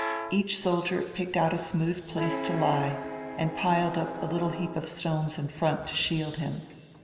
Each soldier picked out a smooth place to lie and piled up a little heap of stones in front to shield him.